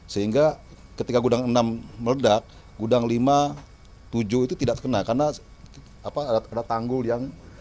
sehingga ketika gudang enam meledak gudang lima tujuh itu tidak terkena karena ada tanggul yang